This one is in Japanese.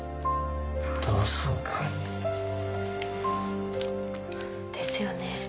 同窓会。ですよね。